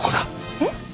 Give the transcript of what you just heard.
えっ？